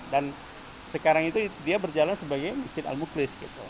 dan sekarang itu dia berjalan sebagai masjid al muklis gitu